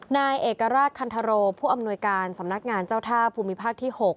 นายเอกราชคันทโรผู้อำนวยการสำนักงานเจ้าท่าภูมิภาคที่๖